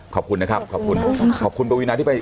ขอบคุณนะครับขอบคุณขอบคุณปวีนาที่ไป